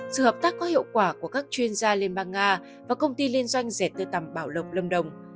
sự hợp tác có hiệu quả của các chuyên gia liên bang nga và công ty liên doanh rẻ tươi tằm bảo lộc lâm đồng